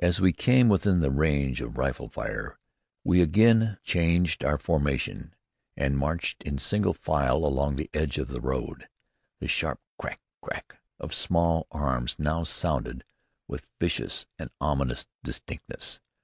As we came within the range of rifle fire, we again changed our formation, and marched in single file along the edge of the road. The sharp _crack! crack!= of small arms now sounded with vicious and ominous distinctness.